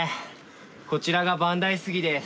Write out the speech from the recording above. こちらが万代杉です。